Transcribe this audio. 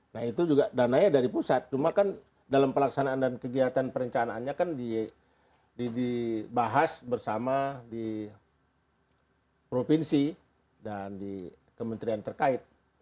nah itu juga dananya dari pusat cuma kan dalam pelaksanaan dan kegiatan perencanaannya kan dibahas bersama di provinsi dan di kementerian terkait